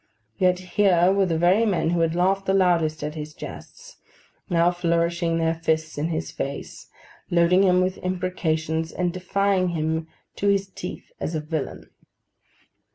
Yet here were the very men who had laughed the loudest at his jests, now flourishing their fists in his face, loading him with imprecations, and defying him to his teeth as a villain!